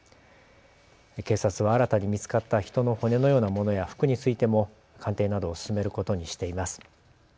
警察は新たに見つかった人の骨のようなものや服についても鑑定などを進めることにしています。